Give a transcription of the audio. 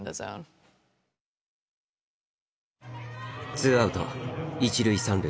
ツーアウト一塁三塁。